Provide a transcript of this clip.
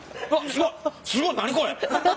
すごい何これ！